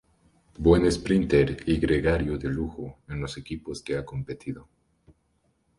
Buen sprinter y gregario de lujo en los equipos que ha competido.